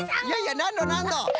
いやいやなんのなんの。